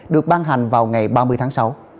được ban hành vào ngày ba mươi tháng sáu